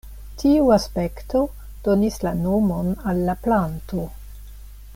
Tiu aspekto donis la nomon al la planto.